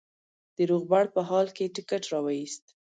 د روغبړ په حال کې ټکټ را وایست.